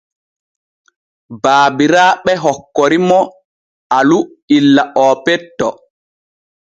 Baabiraaɓe hokkori mo Alu illa oo petto.